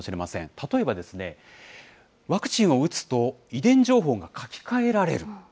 例えばですね、ワクチンを打つと遺伝情報が書き換えられる。